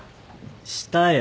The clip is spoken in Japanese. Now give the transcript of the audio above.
したよ。